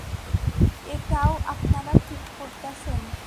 এইটাও আপনারা, ঠিক করতাছেন?